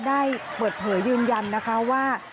ได้เปิดเผยยืนยันนะคะว่า